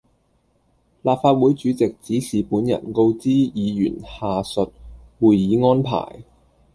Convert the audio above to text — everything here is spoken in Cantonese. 立法會主席指示本人告知議員下述會議安排